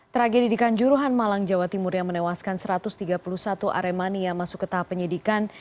tragedi di kanjuruhan malang jawa timur yang menewaskan satu ratus tiga puluh satu aremania masuk ke tahap penyidikan